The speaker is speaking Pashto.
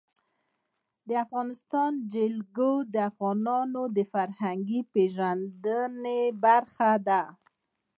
د افغانستان جلکو د افغانانو د فرهنګي پیژندنې برخه ده.